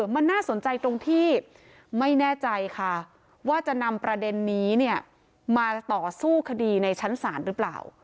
มาต่อสู้คดีในชั้นศาลหรือเปล่า